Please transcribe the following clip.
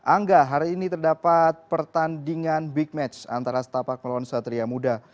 angga hari ini terdapat pertandingan big match antara setapak melawan satria muda